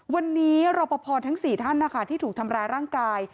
วันนี้รอปภทั้ง๔ท่านนะคะที่ถูกทำร้ายร่างกาย